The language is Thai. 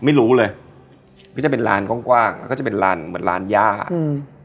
ไม่รู้เลยก็จะเป็นร้านกว้างกว้างก็จะเป็นร้านเหมือนร้านย่าอืม